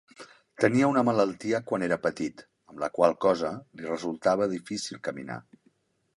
Tenia una malaltia quan era petit, amb la qual cosa li resultava difícil caminar.